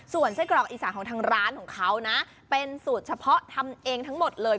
ส่วนไส้กรอกอีสานของทางร้านของเขานะเป็นสูตรเฉพาะทำเองทั้งหมดเลย